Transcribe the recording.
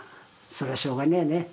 それはしょうがないよね。